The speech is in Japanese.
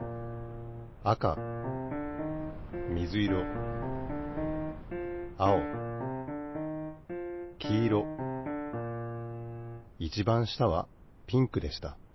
あかみずいろあおきいろいちばん下はピンクでした。